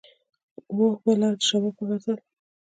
وو به به لا شباب د غزل